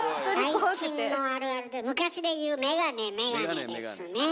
最近のあるあるで昔で言う「眼鏡眼鏡」ですねえ。